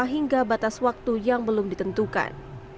hingga batas waktu yang belum ditentukan